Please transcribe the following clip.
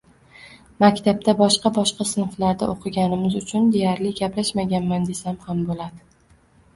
Maktabda boshqa-boshqa sinflarda o`qiganimiz uchun deyarli gaplashmaganman, desam ham bo`ladi